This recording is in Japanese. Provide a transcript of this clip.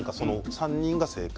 ３人が正解。